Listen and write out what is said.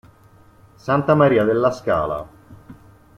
Santa Maria della Scala